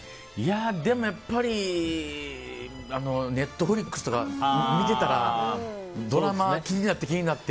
でもやっぱりＮｅｔｆｌｉｘとか見てたらドラマ気になって、気になって。